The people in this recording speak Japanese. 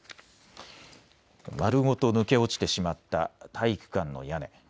丸ごと抜け落ちてしまった体育館の屋根。